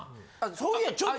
そういやちょっと。